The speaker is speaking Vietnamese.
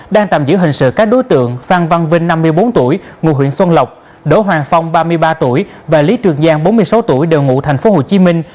đang tạm giữ hình sự các đối tượng phan văn vinh năm mươi bốn tuổi ngụ huyện xuân lộc đỗ hoàng phong ba mươi ba tuổi và lý trường giang bốn mươi sáu tuổi đều ngụ thành phố hồ chí minh